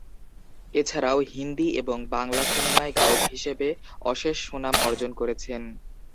এছাড়াও, হিন্দি এবং বাংলা সিনেমায় গায়ক হিসেবে অশেষ সুনাম অর্জন করেছেন।